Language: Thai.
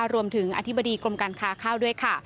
อธิบดีกรมการค้าข้าวด้วยค่ะ